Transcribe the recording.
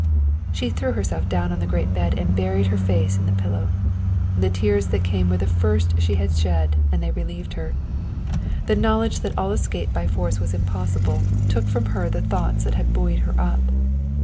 She threw herself down on the great bed and buried her face in the pillow. The tears that came were the first she had shed and they relieved her. The knowledge that all escape by force was impossible took from her the thoughts that had buoyed her up.